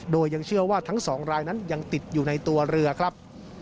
โดยยังเชื่อว่าทั้งสองรายนั้นยังติดอยู่ในตัวเรือครับ